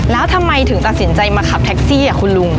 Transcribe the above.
แล้วทำไมถึงตัดสินใจมาขับแท็กซี่คุณลุง